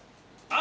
あ！